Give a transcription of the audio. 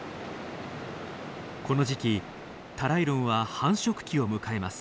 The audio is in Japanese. この時期タライロンは繁殖期を迎えます。